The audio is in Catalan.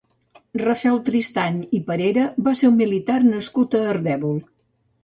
Rafael Tristany i Parera va ser un militar nascut a Ardèvol.